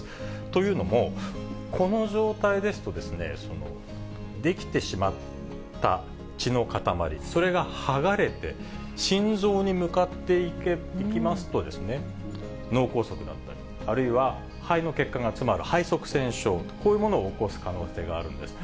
というのも、この状態ですと、出来てしまった血の塊、それが剥がれて、心臓に向かっていきますと、脳梗塞だったり、あるいは肺の血管が詰まる肺塞栓症、こういうものを起こす可能性があるんです。